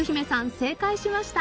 正解しました。